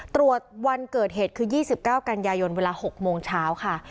ตรวจวันเกิดเหตุคือ๒๙กันยายนเวลา๖โมงเช้าค่ะ